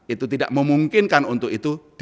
itu tidak memungkinkan untuk itu